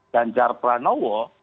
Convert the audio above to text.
dan jar pranowo